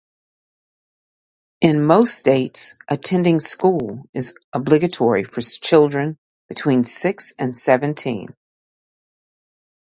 In most states attending school is obligatory for children between six and seventeen.